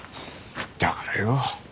だからよ。